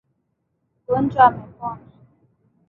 Mgonjwa amepona